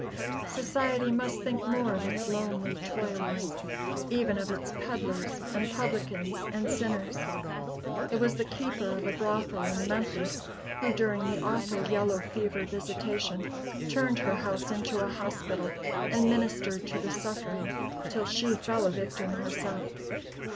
Society must think more of its lonely toilers; even of its peddlers and publicans and sinners. It was the keeper of a brothel in Memphis, who, during the awful yellow fever visitation, turned her house into a hospital, and ministered to the suffering till she fell a victim herself.